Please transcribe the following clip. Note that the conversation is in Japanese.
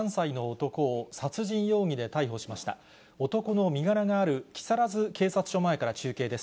男の身柄がある木更津警察署前から中継です。